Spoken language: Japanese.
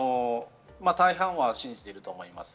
大半は信じていると思います。